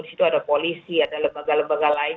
disitu ada polisi ada lembaga lembaga lain